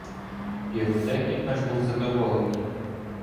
Піротехнік наш був задоволений.